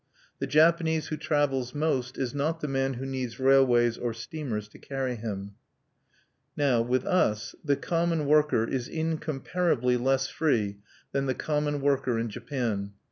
The Japanese who travels most is not the man who needs railways or steamers to carry him. Now, with us, the common worker is incomparably less free than the common worker in Japan.